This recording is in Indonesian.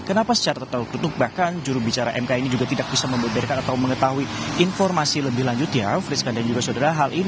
kenapa secara tertutup bahkan jurubicara mk ini juga tidak bisa membeberkan atau mengetahui informasi lebih lanjut ya friska dan juga saudara hal ini